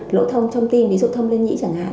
lỗ thông trong tim ví dụ thông lên nhĩ chẳng hạn